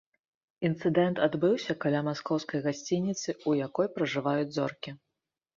Інцыдэнт адбыўся каля маскоўскай гасцініцы, у якой пражываюць зоркі.